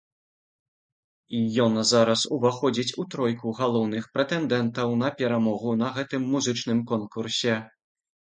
Ён зараз уваходзіць у тройку галоўных прэтэндэнтаў на перамогу на гэтым музычным конкурсе.